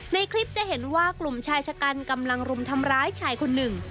ในคลิปจะเห็นว่ากลุ่มชายชะกันกำลังรุมทำร้ายชายคนหนึ่ง